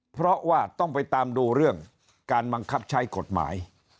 เพราะว่าต้องไปตามดูเรื่องการบังคับใช้กฎหมาย